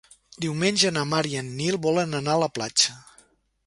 Diumenge na Mar i en Nil volen anar a la platja.